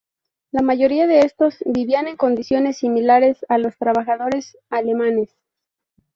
La mayoría de estos vivían en condiciones similares a los trabajadores alemanes.